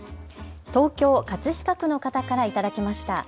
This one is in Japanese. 東京葛飾区の方からいただきました。